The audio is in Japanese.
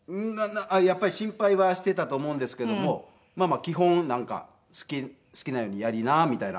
やっぱり心配はしていたと思うんですけども基本なんか好きなようにやりなみたいな感じだったんで。